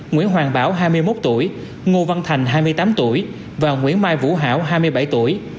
nguyễn hoàng bảo hai mươi một tuổi ngô văn thành hai mươi tám tuổi và nguyễn mai vũ hảo hai mươi bảy tuổi